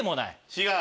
違う。